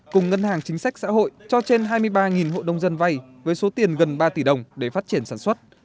cùng ngân hàng chính sách xã hội cho trên hai mươi ba hộ nông dân vay với số tiền gần ba tỷ đồng để phát triển sản xuất